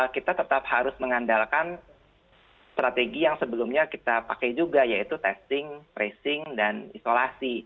kita tetap harus mengandalkan strategi yang sebelumnya kita pakai juga yaitu testing tracing dan isolasi